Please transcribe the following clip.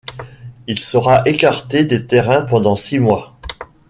Il sera écarté des terrains pendant six mois.